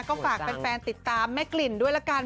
ก็ฝากแฟนติดตามแม่กลิ่นด้วยละกัน